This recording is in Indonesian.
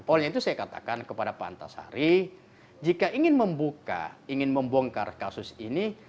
oleh itu saya katakan kepada pak antasari jika ingin membuka ingin membongkar kasus ini